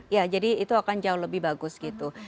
ya jadi itu akan jauh lebih bagus gitu